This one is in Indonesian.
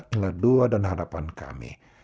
inilah doa dan harapan kami